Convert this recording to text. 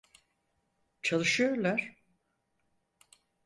Çalışıyorlar.